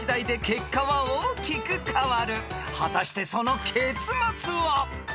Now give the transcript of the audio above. ［果たしてその結末は？］